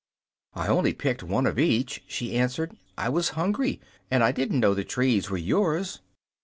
"I only picked one of each," she answered. "I was hungry, and I didn't know the trees were yours."